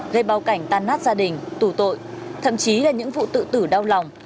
gây bao cảnh tan nát gia đình tù tội thậm chí là những vụ tự tử đau lòng